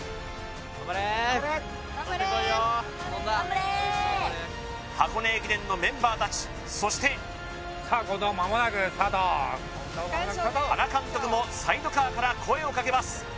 ・頑張れ・頑張れ箱根駅伝のメンバー達そして原監督もサイドカーから声をかけます